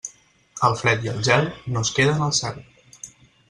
El fred i el gel, no es queden al cel.